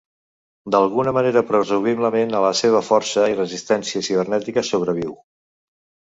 D'alguna manera, presumiblement a la seva força i resistència cibernètica, sobreviu.